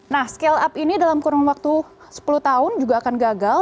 nah scale up ini dalam kurun waktu sepuluh tahun juga akan gagal